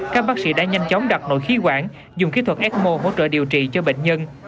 các bác sĩ đã nhanh chóng đặt nội khí quản dùng kỹ thuật ecmo hỗ trợ điều trị cho bệnh nhân